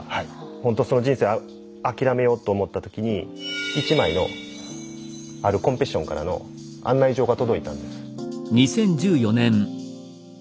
ほんとその人生諦めようと思った時に１枚のあるコンペティションからの案内状が届いたんです。